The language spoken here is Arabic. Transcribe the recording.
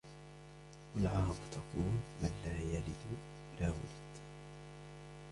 وَالْعَرَبُ تَقُولُ مَنْ لَا يَلِدُ لَا وُلِدَ